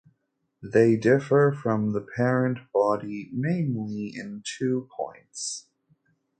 They differ from the parent body mainly in two points.